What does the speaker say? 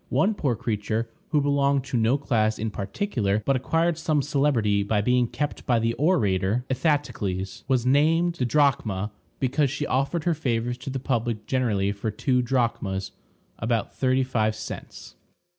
One poor creature, who belonged to no class in particular, but acquired some celebrity by being kept by the orator Ithatocles, was named Didrachma because she offered her favors to the public generally for two drachmas, about thirty five cents.